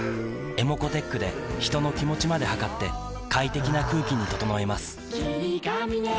ｅｍｏｃｏーｔｅｃｈで人の気持ちまで測って快適な空気に整えます